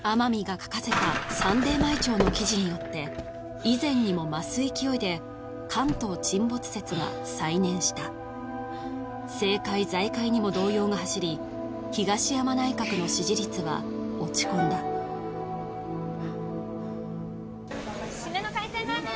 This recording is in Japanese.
書かせたサンデー毎朝の記事によって以前にも増す勢いで関東沈没説が再燃した政界財界にも動揺が走り東山内閣の支持率は落ち込んだシメの海鮮ラーメン